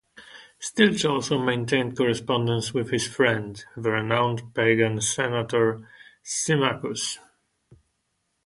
Stilicho also maintained correspondence with his friend, the renowned pagan senator Symmachus.